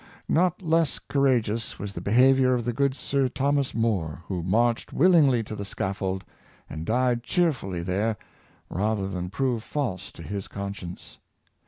Not less courageous was the behavior of the good Sir Thomas More, who marched willingly to the scaf fold, and died cheerfully there, rather than prove false to his conscience.